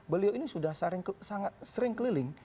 beliau ini sudah sangat sering keliling